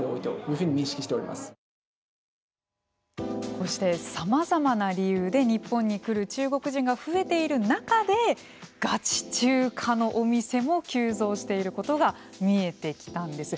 こうしてさまざまな理由で日本に来る中国人が増えている中でガチ中華のお店も急増していることが見えてきたんです。